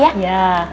iya dah hati hati